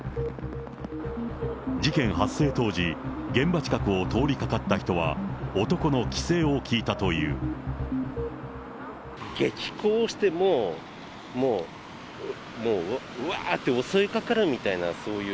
事件発生当時、現場近くを通りかかった人は、激高して、もう、もう、わーって襲いかかるみたいな、そういう。